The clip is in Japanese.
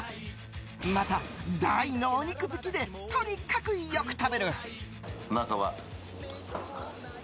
また、大のお肉好きでとにかくよく食べる。